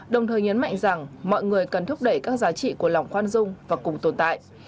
đồng thời nhấn mạnh rằng mọi người cần thúc đẩy các giá trị của lòng khoan dung và cùng tồn tại